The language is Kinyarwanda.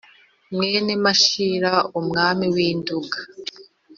mwene mashira umwami w'i nduga.